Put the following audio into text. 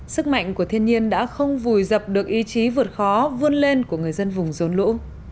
sức mạnh của thiên nhiên đã không vùi dập được ý chí vượt khó vươn lên của người dân vùng rốn lũ